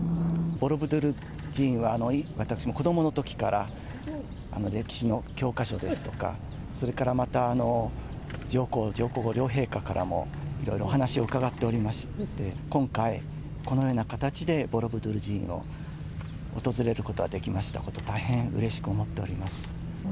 ボロブドゥール寺院は私も子どものときから、歴史の教科書ですとか、それからまた、上皇、上皇后両陛下からも、いろいろお話を伺っておりまして、今回、このような形でボロブドゥール寺院を訪れることができましたこと、大変うれしく思っております。